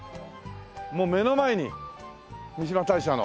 もう目の前に三嶋大社の。